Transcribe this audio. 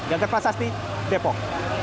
gagak prasasti depok